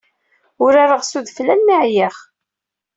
Urareɣ s udfel almi ɛyiɣ.